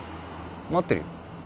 待ってるよ